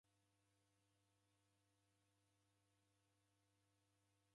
Si n icha kungi kuw'unjiria ngenga.